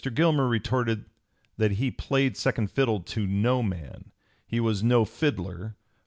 Gilmer retorted that he "played second fiddle to no man. He was no fiddler, but (p.